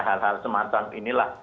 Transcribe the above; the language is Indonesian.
hal hal semacam inilah